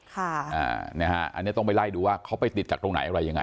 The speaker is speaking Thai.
อันนี้ต้องไปไล่ดูว่าเขาไปติดจากตรงไหนอะไรยังไง